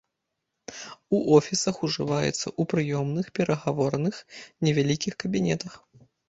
У офісах ужываецца ў прыёмных, перагаворных, невялікіх кабінетах.